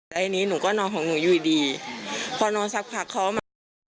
แล้วทีนี้หนูก็นอนของหนูอยู่ดีพอนอนสักพักเขามา